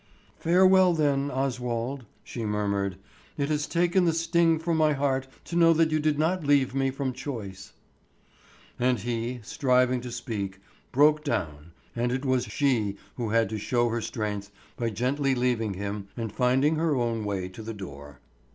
"Farewell, then, Oswald," she murmured. "It has taken the sting from my heart to know that you did not leave me from choice." And he, striving to speak, broke down, and it was she who had to show her strength by gently leaving him and finding her own way to the door.